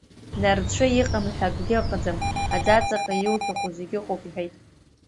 Нарцәы иҟам ҳәа акгьы ыҟаӡам, аӡаҵаҟа иуҭаху зегь ыҟоуп, — иҳәеит.